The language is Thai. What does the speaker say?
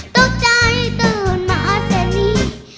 ตกใจสื่อหน้าเซนี